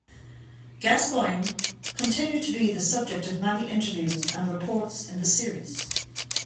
Gascoigne continued to be the subject of many interviews and reports in the series.